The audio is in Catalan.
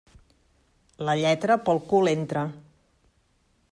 La lletra pel cul entra.